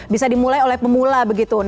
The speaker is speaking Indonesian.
bisa dimulai oleh pemula begitu